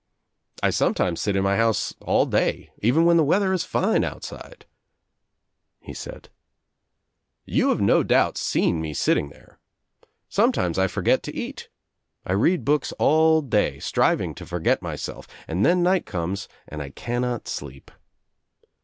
"I nometimes sit in my house all day, even when the weather is fine outside," he said, "You have no doubt seen me sitting there. Sometimes I forget to eat. I read books all day, striving to forget myself and then night comes and I cannot sleep.